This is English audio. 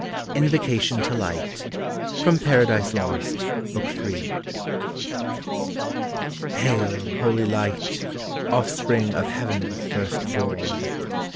INVOCATION TO LIGHT. FROM " PARADISE LOST," BOOK III. Hail, holy Light, offspring of Heaven first born!